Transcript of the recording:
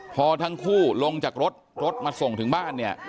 พอทั้งคู่ลงจากรถรถมาส่งถึงบ้านเนี่ย